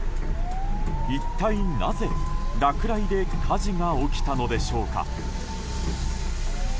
一体なぜ、落雷で火事が起きたのでしょうか。